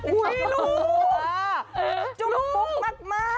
อุ้ยลูกจุกปุ๊บมาก